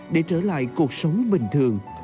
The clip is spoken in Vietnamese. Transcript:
để trở lại cuộc sống bình thường